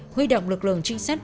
huy động lực lượng trinh sát